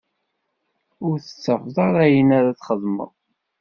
Ur tettafeḍ ara ayen ara txedmeḍ.